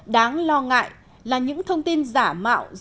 đáng lo ngại là những thông tin điện tử không được kiểm chứng